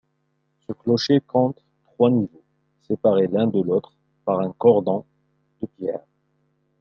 Ce clocher compte trois niveaux, séparés l'un de l'autre par un cordon de pierre.